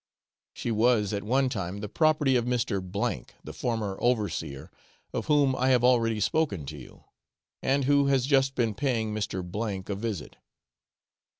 She was, at one time, the property of Mr. K , the former overseer, of whom I have already spoken to you, and who has just been paying Mr. a visit.